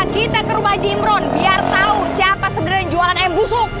kita ke rumah jimron biar tahu siapa sebenarnya yang jualan ayam busuk